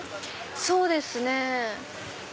そうですね。